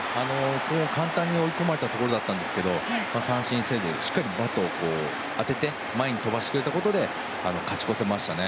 簡単に追い込まれたところでしたが三振せずしっかりバットを当てて前に飛ばしてくれたことで勝ち越せましたね。